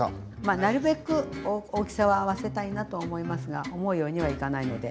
なるべく大きさは合わせたいなと思いますが思うようにはいかないので。